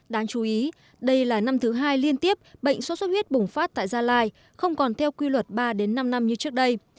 đáng chú ý đây là năm thứ hai liên tiếp bệnh sốt xuất huyết bùng phát tại gia lai không còn theo quy luật ba năm năm như trước đây